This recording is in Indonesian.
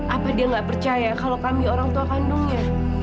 apa dia nggak percaya kalau kami orang tua kandungnya